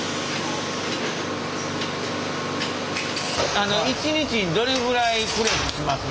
あの一日にどれくらいプレスしますの？